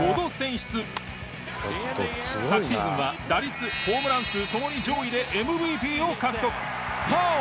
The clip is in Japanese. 昨シーズンは打率ホームラン数共に上位でＭＶＰを獲得。